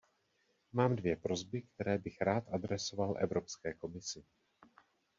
Mám dvě prosby, které bych rád adresoval Evropské komisi.